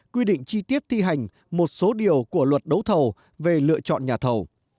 quy định chi tiết thi hành một số điều của luật đấu thầu về lựa chọn nhà thầu